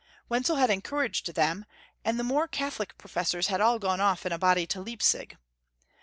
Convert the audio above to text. Wenzel had encouraged them, and the more Catho lic professors had all gone off in a body to Leipsig.